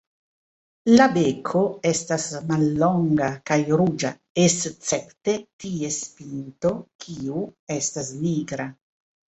La beko estas mallonga kaj ruĝa escepte ties pinto kiu estas nigra.